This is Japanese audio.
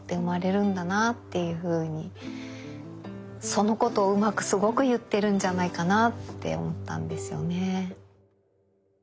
そのことをうまくすごく言ってるんじゃないかなって思ったんですよね。